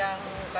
daging gitu ya